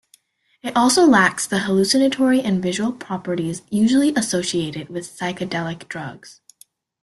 It also lacks the hallucinatory and visual properties usually associated with psychedelic drugs.